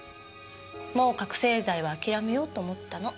もう覚せい剤はあきらめようと思ったの。